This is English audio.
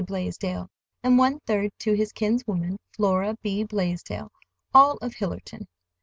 Blaisdell; and one third to his kinswoman, Flora B. Blaisdell, all of Hillerton.